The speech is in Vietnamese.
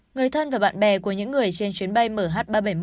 người thân và bạn bè của những người trên chuyến bay mh ba trăm bảy mươi